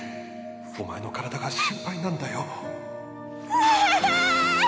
お前の体が心配なんだようぇん！